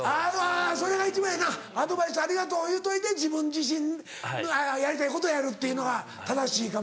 それが一番ええな「アドバイスありがとう」言うといて自分自身のやりたいことやるっていうのが正しいかも。